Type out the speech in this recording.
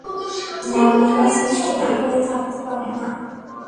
ঝামেলা সৃষ্টি না করে থাকতে পারে না?